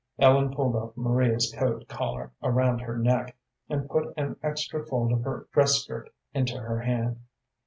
Ellen pulled up Maria's coat collar around her neck and put an extra fold of her dress skirt into her hand.